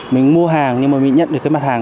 mình mua hàng nhưng mà mình nhận được cái mặt hàng